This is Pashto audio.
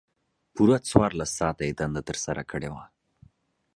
پوره څوارلس ساعته یې دنده ترسره کړې وه.